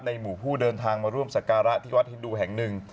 ในหมู่ผู้เดินทางมาร่วมสักการะที่วัดฮินนูแห่ง๑